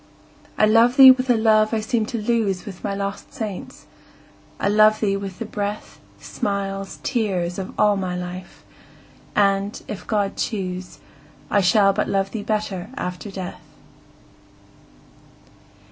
I love thee with a love I seemed to lose With my lost saints,—I love thee with the breath, Smiles, tears, of all my life!—and, if God choose, I shall but love thee better after death.